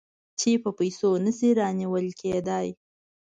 چې په پیسو نه شي رانیول کېدای.